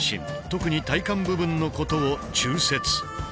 特に体幹部分のことを「中節」。